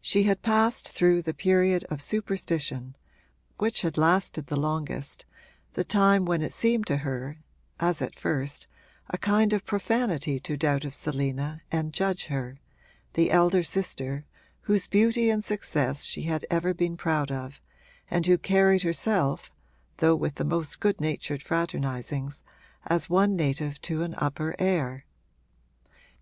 She had passed through the period of superstition, which had lasted the longest the time when it seemed to her, as at first, a kind of profanity to doubt of Selina and judge her, the elder sister whose beauty and success she had ever been proud of and who carried herself, though with the most good natured fraternisings, as one native to an upper air.